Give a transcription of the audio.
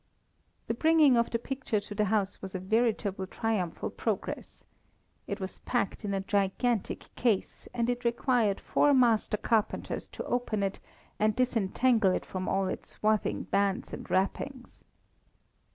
The bringing of the picture to the house was a veritable triumphal progress. It was packed in a gigantic case, and it required four master carpenters to open it and disentangle it from all its swathing bands and wrappings.